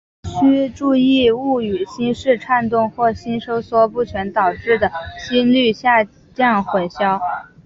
须注意勿与心室颤动或心收缩不全导致的心率下降混淆。